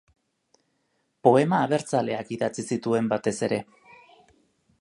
Poema abertzaleak idatzi zituen, batez ere.